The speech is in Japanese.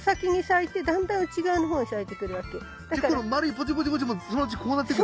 じゃこの丸いポチポチポチもそのうちこうなってくるんですか？